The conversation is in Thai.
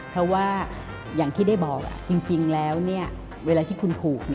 เพราะว่าอย่างที่ได้บอกจริงแล้วเวลาที่คุณถูก